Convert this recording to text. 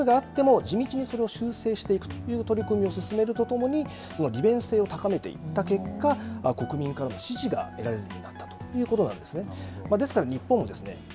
ただ、ミスがあっても地道にそれを修正していくという取り組みを進めるとともに利便性を高めていった結果国民からの支持が得られるようになったということなんですね。